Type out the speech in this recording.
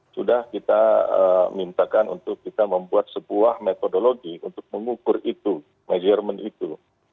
sudah kita mintakan untuk kita membuat sebuah metodologi untuk mengukur itu measurement itu